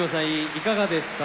いかがですか？